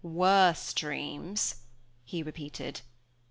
"Worse dreams," he repeated.